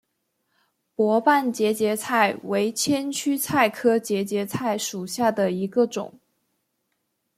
薄瓣节节菜为千屈菜科节节菜属下的一个种。